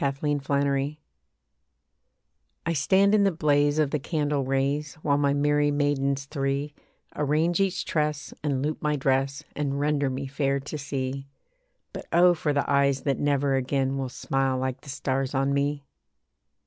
THE BRIDAL EVE I stand in the blaze of the candle rays, While my merry maidens three Arrange each tress, and loop my dress, And render me fair to see. But oh! for the eyes that never again Will smile like the stars on me.